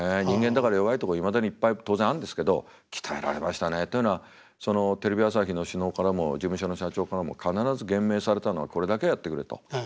人間だから弱いとこいまだにいっぱい当然あるんですけど鍛えられましたね。というのはテレビ朝日の首脳からも事務所の社長からも必ず厳命されたのはこれだけはやってくれと。